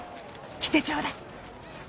来てちょうだい！